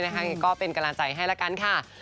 พี่ออฟก็เต็มที่มากค่ะ